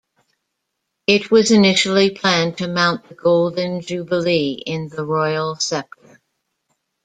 It was initially planned to mount the Golden Jubilee in the royal sceptre.